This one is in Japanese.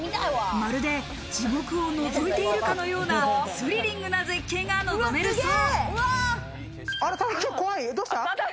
まるで地獄をのぞいているかのようなスリリングな絶景が望めるそう。